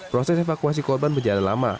proses evakuasi korban berjalan lama